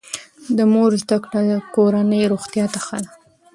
د مور زده کړه د کورنۍ روغتیا ته ښه ده.